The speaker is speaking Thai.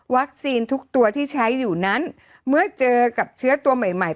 วัคซีนทุกตัวที่ใช้อยู่นั้นเมื่อเจอกับเชื้อตัวใหม่